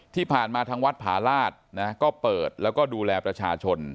ที่ผ่านมาทางวัดผาราชก็เปิดแล้วก็ดูแลประชาชน